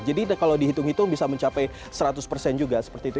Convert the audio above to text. jadi kalau dihitung hitung bisa mencapai seratus persen juga seperti itu